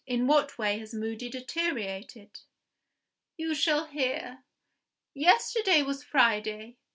In what way has Moody deteriorated?" "You shall hear. Yesterday was Friday.